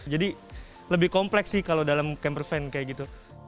jadi lebih kompleks sih kalau dalam campervan kayak gitu